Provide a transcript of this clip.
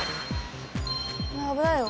危ないよ！